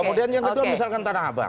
kemudian yang kedua misalkan tanah abang